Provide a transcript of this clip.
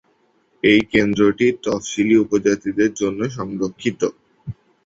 এই কেন্দ্রটি তফসিলী উপজাতিদের জন্য সংরক্ষিত।